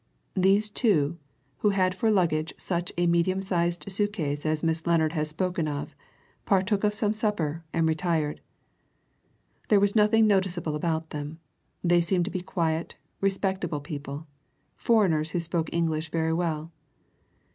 These two, who had for luggage such a medium sized suit case as that Miss Lennard has spoken of, partook of some supper and retired. There was nothing noticeable about them they seemed to be quiet, respectable people foreigners who spoke English very well.